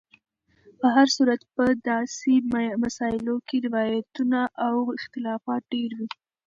په هر صورت په داسې مسایلو کې روایتونو او اختلافات ډېر وي.